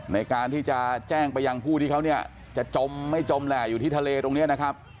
ในการที่จะแจ้งไปยังผู้ที่เขาเนี่ยจะจมไม่จมแหละอยู่ที่ทะเลตรงนี้นะครับ